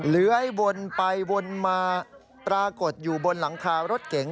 เลื้อยวนไปวนมาปรากฏอยู่บนหลังคารถเก๋ง